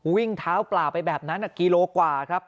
วิ่งเท้าเปล่าไปแบบนั้นกิโลกว่าครับ